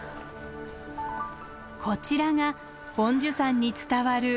こちらが梵珠山に伝わる釈の墓。